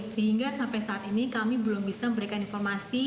sehingga sampai saat ini kami belum bisa memberikan informasi